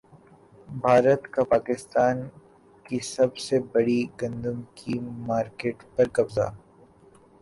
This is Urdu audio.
بھارت کا پاکستان کی سب سے بڑی گندم کی مارکیٹ پر قبضہ